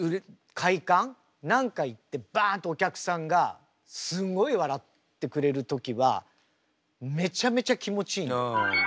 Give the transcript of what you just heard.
何か言ってバンとお客さんがすんごい笑ってくれる時はめちゃめちゃ気持ちいい。